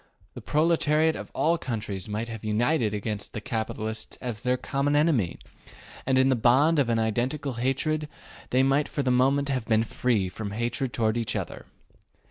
The proletariat of all countries might have united against the capitalists as their common enemy, and in the bond of an identical hatred they might for the moment have been free from hatred toward each other.